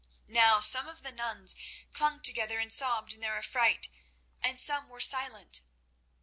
Now some of the nuns clung together and sobbed in their affright, and some were silent.